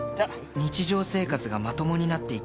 ［日常生活がまともになっていき］